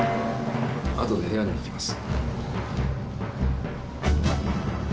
あとで部屋に行きます。